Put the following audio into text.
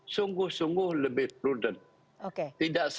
sungguh sungguh lebih prudent